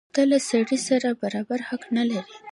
ته له سړي سره برابر حق نه لرې.